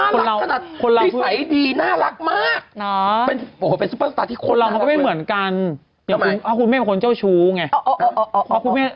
เพราะคุณแม่เป็นคนเจ้าชู้ไง